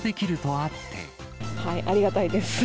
ありがたいです。